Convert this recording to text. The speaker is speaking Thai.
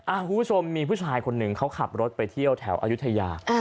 คุณผู้ชมมีผู้ชายคนหนึ่งเขาขับรถไปเที่ยวแถวอายุทยา